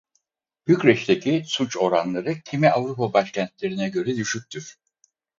Bükreş'teki suç oranları kimi Avrupa başkentlerine göre düşüktür.